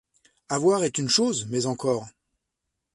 Avoir est une chose mais encore ?